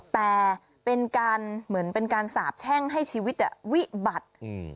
แต่เป็นการเหมือนเป็นการสาบแช่งให้ชีวิตวิบัติ